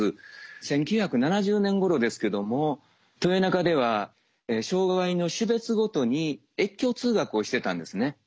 １９７０年ごろですけども豊中では障害の種別ごとに越境通学をしてたんですね。